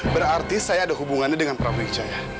berarti saya ada hubungannya dengan prabu wijaya